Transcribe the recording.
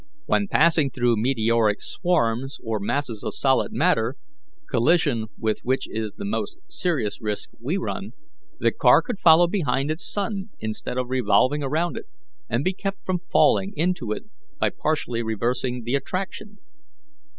When passing through meteoric swarms or masses of solid matter, collision with which is the most serious risk we run, the car could follow behind its sun instead of revolving around it, and be kept from falling into it by partially reversing the attraction.